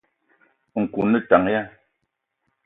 Nkou o ne tank ya ?